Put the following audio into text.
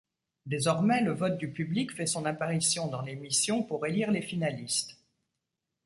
Désormais, le vote du public fait son apparition dans l'émission pour élire les finalistes.